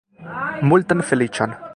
Multan feliĉon!